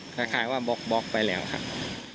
คล้ายว่าบล็อกไปแล้วครับ